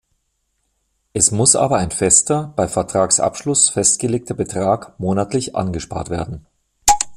Es muss aber ein fester, bei Vertragsabschluss festgelegter Betrag monatlich angespart werden.